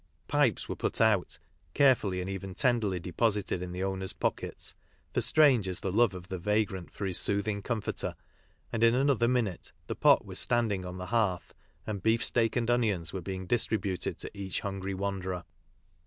Pipes were put out, carefully and even tenderly deposited in the owners' pockets, for strange is the love of the vagrant for his soothing comforter, and in another minute the pot was standing on the hearth, and beef steak and onions were being distributed to each hungry wanderer.